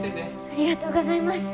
ありがとうございます。